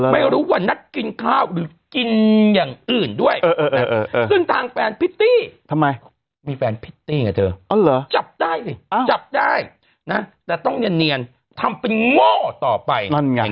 ไม่รู้ว่านัดกินข้าวหรือกินอย่างอื่นด้วยซึ่งทางแฟนพิตตี้ทำไมมีแฟนพิตตี้ไงเธอจับได้สิจับได้นะแต่ต้องเนียนทำเป็นโง่ต่อไปนั่นไง